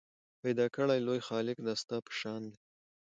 پیدا کړی لوی خالق دا ستا په شان دی